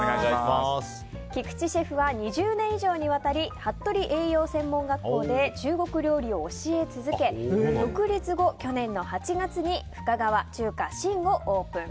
菊池シェフは２０年以上にわたり服部栄養専門学校で中国料理を教え続け独立後、去年の８月に深川中華Ｓｈｉｎをオープン。